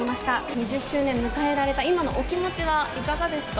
２０周年迎えられた今のお気持ちはいかがですか？